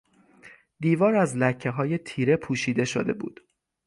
دیوار از لکههای تیره پوشیده شده بود.